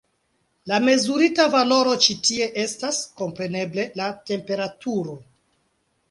La mezurita valoro ĉi tie estas, kompreneble, la temperaturo.